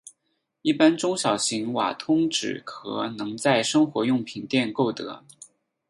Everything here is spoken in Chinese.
一般中小型瓦通纸盒能在生活用品店购得。